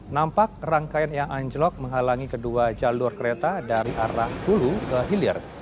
nampak rangkaian yang anjlok menghalangi kedua jalur kereta dari arah hulu ke hilir